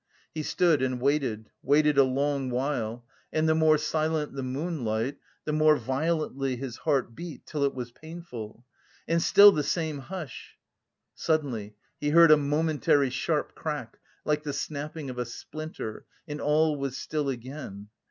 He stood and waited, waited a long while, and the more silent the moonlight, the more violently his heart beat, till it was painful. And still the same hush. Suddenly he heard a momentary sharp crack like the snapping of a splinter and all was still again.